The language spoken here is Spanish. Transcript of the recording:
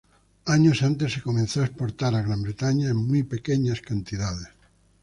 Años antes se comenzó a exportar a Gran Bretaña en muy pequeñas cantidades.